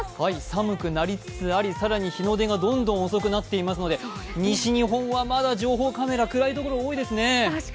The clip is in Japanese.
寒くなりつつあり、更に日の出がどんどん遅くなっていますので、西日本はまだ情報カメラ暗いところ多いですね。